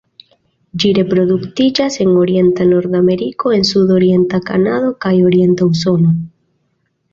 Ĝi reproduktiĝas en orienta Nordameriko en sudorienta Kanado kaj orienta Usono.